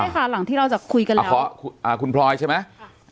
ใช่ค่ะหลังที่เราจะคุยกันเลยเฉพาะคุณพลอยใช่ไหม